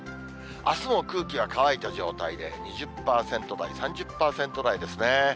あすも空気は乾いた状態で、２０％台、３０％台ですね。